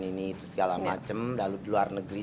ini itu segala macam lalu di luar negeri